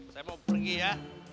saya mau pergi ya